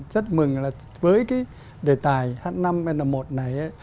rất mừng là với cái đề tài h năm n một này